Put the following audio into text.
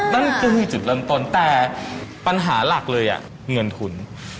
นั่นก็คือจุดเริ่มต้นแต่ปัญหาหลักเลยเงินทุน